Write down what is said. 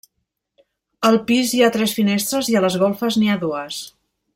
Al pis hi ha tres finestres i a les golfes n'hi ha dues.